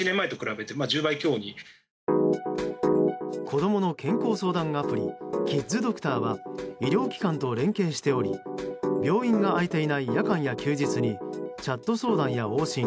子供の健康相談アプリキッズドクターは医療機関と連携しており病院が開いていない夜間や休日にチャット相談や往診